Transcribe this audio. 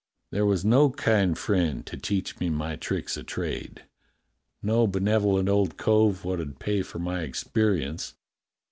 There was no kind friend to teach me my tricks o' trade, no benevo lent old cove wot 'ud pay for my experience.